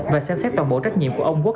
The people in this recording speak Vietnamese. và xem xét toàn bộ trách nhiệm của ông quốc